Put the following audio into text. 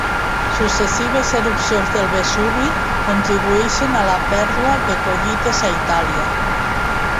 Successives erupcions del Vesuvi contribueixen a la pèrdua de collites a Itàlia.